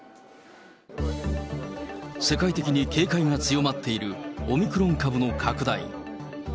世界的に警戒が強まっているオミクロン株の拡大。